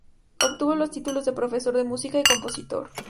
Obtuvo los títulos de Profesor de Música y Compositor.